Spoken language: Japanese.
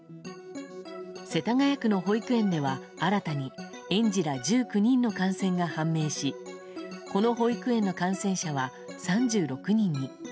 世田谷区の保育園では新たに園児ら１９人の感染が判明しこの保育園の感染者は３６人に。